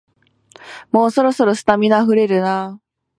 もうそろそろ、スタミナあふれるな